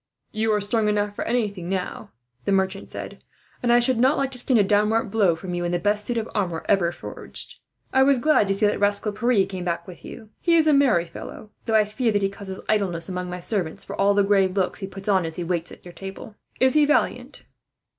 "You are strong enough for anything, now," the merchant said; "and I should not like to stand a downright blow from you, in the best suit of armour ever forged. "I was glad to see that rascal Pierre come back with you. He is a merry fellow, though I fear that he causes idleness among my servants, for all the grave looks he puts on as he waits on you at dinner. Is he valiant?"